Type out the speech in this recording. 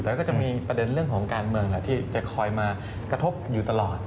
แล้วก็จะมีประเด็นเรื่องของการเมืองแหละที่จะคอยมากระทบอยู่ตลอด